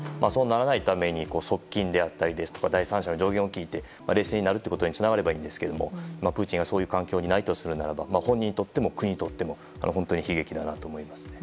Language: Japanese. そうならないために側近であったり第三者の助言を聞いて冷静になるということにつながればいいんですけどプーチンがそういう環境にないとするならば本人にとっても国にとっても悲劇だなと思います。